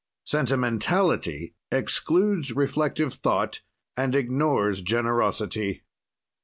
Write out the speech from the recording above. Sentimentality excludes reflective thought and ignores generosity.